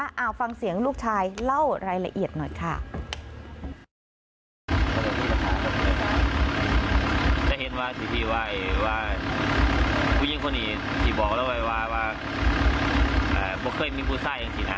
เอาฟังเสียงลูกชายเล่ารายละเอียดหน่อยค่ะ